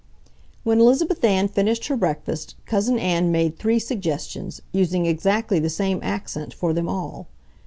When Elizabeth Ann finished her breakfast, Cousin Ann made three suggestions, using exactly the same accent for them all.